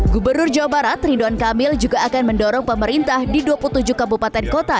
gubernur jawa barat ridwan kamil juga akan mendorong pemerintah di dua puluh tujuh kabupaten kota